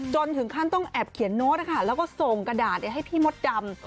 จนถึงขั้นต้องแอบเขียนโน้ตแล้วก็ส่งกระดาษให้พี่มดดำ